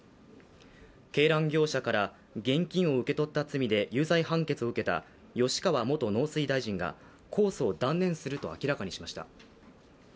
鶏卵業者から現金を受け取った罪で有罪判決を受けた吉川元農水大臣が控訴を断念すると明らかにしました。